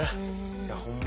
いやほんま